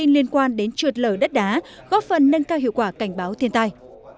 lở đất đá góp phần nâng cao hiệu quả cảnh báo thiên tai